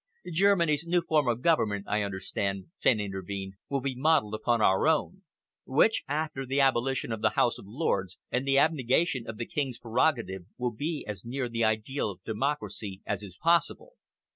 "Germany's new form of government, I understand," Fenn intervened, "will be modelled upon our own, which, after the abolition of the House of Lords, and the abnegation of the King's prerogative, will be as near the ideal democracy as is possible.